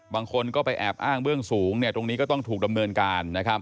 บางคนก็ไปแอบอ้างเบื้องสูงตรงนี้ก็ต้องถูกดำเนินการนะครับ